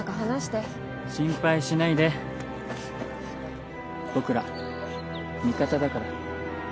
心配しないで僕ら味方だから。